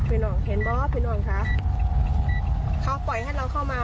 พี่น้องเห็นบ่พี่น้องคะเขาปล่อยให้เราเข้ามา